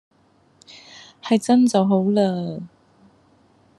係真就好喇